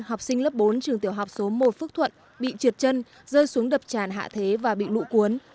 học sinh lớp bốn trường tiểu học số một phước thuận bị trượt chân rơi xuống đập tràn hạ thế và bị lũ cuốn